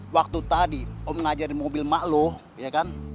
waktu tadi om ngajarin mobil mak lo ya kan